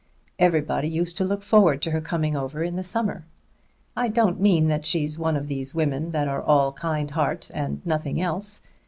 Everybody used to look forward to her coming over in the summer. I don't mean that she's one of those women that are all kind heart and nothing else.